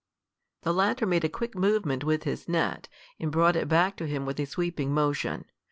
The latter made a quick movement with his net, and brought it back to him with a sweeping motion.